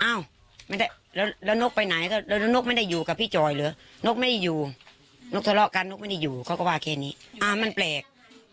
เอ้าแล้วนกไปไหนก็แล้วนกไม่ได้อยู่กับพี่จอยเหรอนกไม่ได้อยู่นกทะเลาะกันนกไม่ได้อยู่เขาก็ว่าแค่นี้มันแปลก